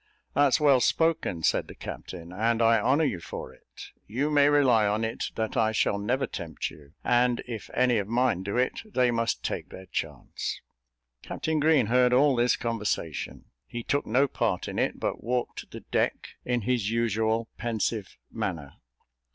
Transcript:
"That's well spoken," said the captain, "and I honour you for it. You may rely on it that I shall never tempt you, and if any of mine do it, they must take their chance." Captain Green heard all this conversation; he took no part in it, but walked the deck in his usual pensive manner.